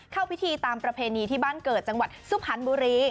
เข้าพิธีตามประเพณีที่บ้านเกิดจังหวัดสุพรรณบุรี